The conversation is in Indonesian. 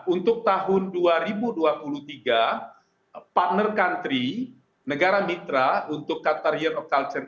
untuk tahun dua ribu dua puluh tiga partner country negara mitra untuk qatar year of culture